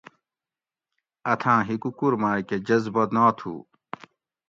اتھاں ہکوکور میکہ جذبہ ناتھو